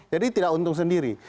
jadi tidak untung sendiri